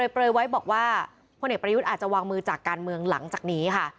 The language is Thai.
เปลยไว้บอกว่าพลเอกประยุทธ์อาจจะวางมือจากการเมืองหลังจากนี้ค่ะ